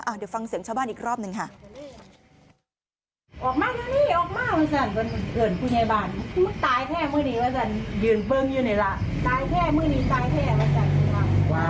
เดี๋ยวฟังเสียงชาวบ้านอีกรอบหนึ่งค่ะ